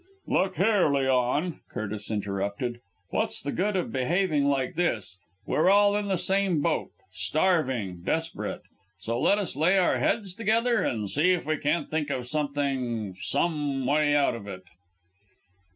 "Look here, Leon," Curtis interrupted; "what's the good of behaving like this? We are all in the same boat starving desperate. So let us lay our heads together and see if we can't think of something some way out of it."